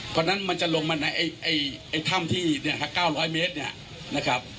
เพราะฉะนั้นมันจะลงมาในถ้ำที่๙๐๐เมตรเนี่ยนะครับ